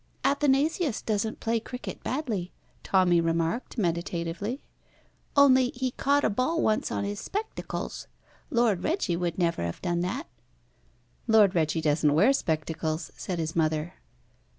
"Athanasius doesn't play cricket badly," Tommy remarked meditatively, "only he caught a ball once on his spectacles. Lord Reggie would never have done that." "Lord Reggie doesn't wear spectacles," said his mother.